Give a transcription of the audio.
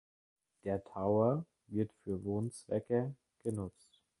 Der Tower wird für Wohnzwecke genutzt.